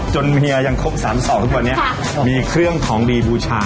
เฮียยังครบ๓๒ทุกวันนี้มีเครื่องของดีบูชา